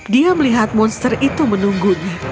dia melihat monster itu menunggunya